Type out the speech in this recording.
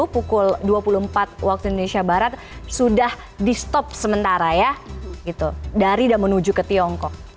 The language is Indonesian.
pukul dua puluh empat waktu indonesia barat sudah di stop sementara ya dari dan menuju ke tiongkok